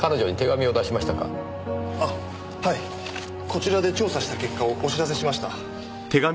こちらで調査した結果をお知らせしました。